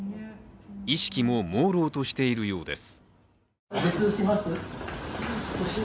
意識も、もうろうとしているようです。